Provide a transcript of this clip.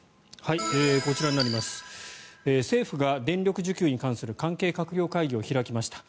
政府が電力需給に関する関係閣僚会議を開きました。